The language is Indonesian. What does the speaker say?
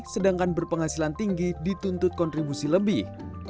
sedangkan berpenghasilan tinggi dituntut kontribusi lebih